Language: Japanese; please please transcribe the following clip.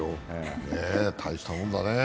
大したもんだね。